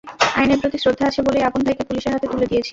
আইনের প্রতি শ্রদ্ধা আছে বলেই আপন ভাইকে পুলিশের হাতে তুলে দিয়েছি।